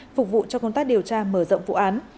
phục vụ cho công tác điều tra mở rộng vụ án